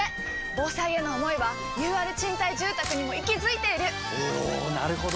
防災への想いはＵＲ賃貸住宅にも息づいているおなるほど！